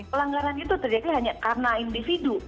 pelanggaran itu terjadi hanya karena individu